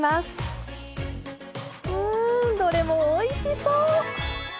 うんどれもおいしそう！